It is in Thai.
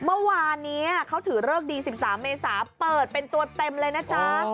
เมื่อวานนี้เขาถือเลิกดี๑๓เมษาเปิดเป็นตัวเต็มเลยนะจ๊ะ